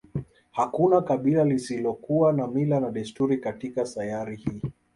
Hakuna kabila lisilokuwa na mila na desturi katika sayari hii